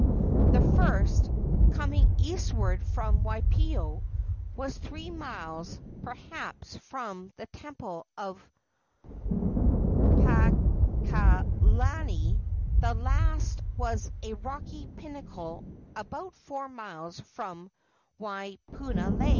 The first, coming eastward from Waipio, was three miles, perhaps, from the temple of Paakalani; the last was a rocky pinnacle about four miles from Waipunalei.